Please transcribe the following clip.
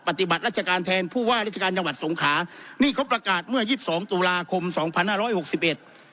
ปฏิบัติราชการแทนผู้ว่าราชการจังหวัดสงขานี่เขาประกาศเมื่อยี่สิบสองตุลาคมสองพันห้าร้อยหกสิบเอ็ด